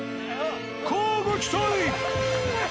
乞うご期待！